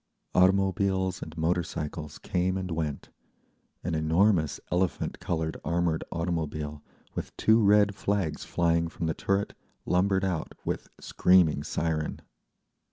Automobiles and motorcycles came and went; an enormous elephant coloured armoured automobile, with two red flags flying from the turret, lumbered out with screaming siren.